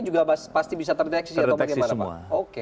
juga pasti bisa terdeteksi atau bagaimana pak